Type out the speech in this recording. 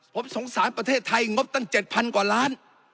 ผมสงสารประเทศไทยงบตั้ง๗๐๐กว่าล้าน